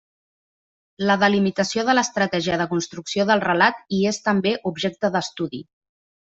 La delimitació de l'estratègia de construcció del relat hi és també objecte d'estudi.